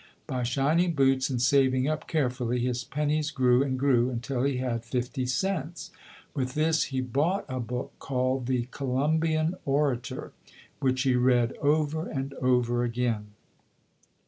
By shining boots and saving up carefully, his pennies grew and grew until he had fifty cents. With this he bought a book called the "Columbian Orator", which he read over and over again.